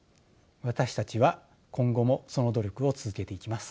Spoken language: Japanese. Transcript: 私たちは今後もその努力を続けていきます。